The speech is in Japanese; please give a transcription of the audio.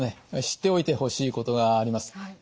知っておいてほしいことがあります。